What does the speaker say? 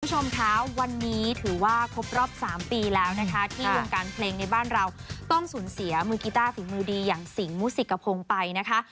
คุณผู้ชมคะวันนี้ถือว่าครบรอบ๓ปีแล้วนะคะที่วงการเพลงในบ้านเราต้องสูญเสียมือกีต้าฝีมือดีอย่างสิงหมุสิกพงศ์ไปนะคะ